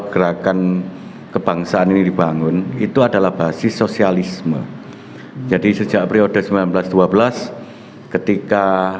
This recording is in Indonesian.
gerakan kebangsaan ini dibangun itu adalah basis sosialisme jadi sejak periode seribu sembilan ratus dua belas ketika